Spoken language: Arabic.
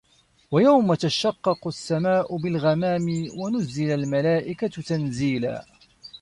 وَيَومَ تَشَقَّقُ السَّماءُ بِالغَمامِ وَنُزِّلَ المَلائِكَةُ تَنزيلًا